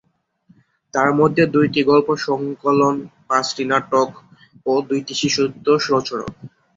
তার মধ্যে দুইটি গল্প সংকলন, পাঁচটি নাটক ও দুইটি শিশুতোষ রচনা।